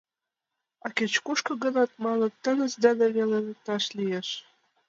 — А кеч-кушко гынат, — маныт, — теҥыз дене веле лекташ лиеш.